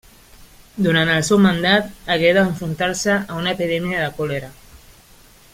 Durant el seu mandat hagué d'enfrontar-se a una epidèmia de còlera.